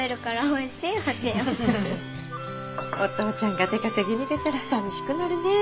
お父ちゃんが出稼ぎに出たらさみしくなるねぇ。